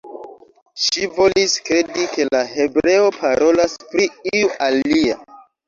Ŝi volis kredi, ke la hebreo parolas pri iu alia.